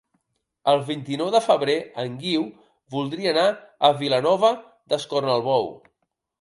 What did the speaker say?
El vint-i-nou de febrer en Guiu voldria anar a Vilanova d'Escornalbou.